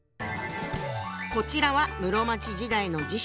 こちらは室町時代の辞書。